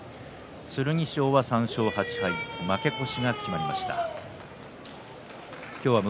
剣翔は負け越しが決まりました。